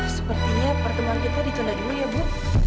maaf sepertinya pertemuan kita ditculap dulu ya bu